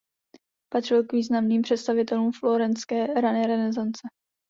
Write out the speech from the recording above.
Patřil k významným představitelům florentské rané renesance.